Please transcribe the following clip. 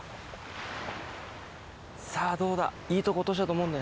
さぁどうだ？